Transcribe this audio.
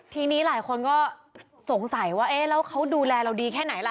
ทีนี้หลายคนก็สงสัยว่าเอ๊ะแล้วเขาดูแลเราดีแค่ไหนล่ะ